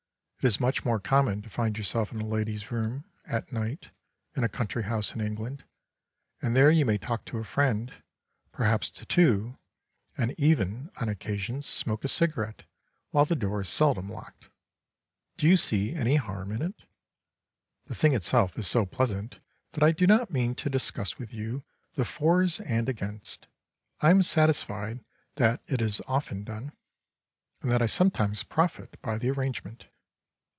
It is much more common to find yourself in a lady's room, at night, in a country house in England, and there you may talk to a friend, perhaps to two, and even, on occasions, smoke a cigarette, while the door is seldom locked. Do you see any harm in it? The thing itself is so pleasant that I do not mean to discuss with you the fors and againsts; I am satisfied that it is often done, and that I sometimes profit by the arrangement.